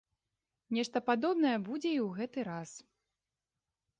Нешта падобнае будзе і ў гэты раз.